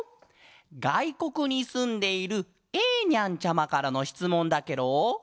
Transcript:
がいこくにすんでいるえーにゃんちゃまからのしつもんだケロ。